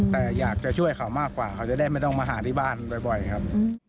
แต่อยากจะช่วยเขามากกว่าเขาจะได้ไม่ต้องมาหาที่บ้านบ่อยครับ